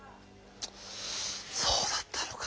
そうだったのか。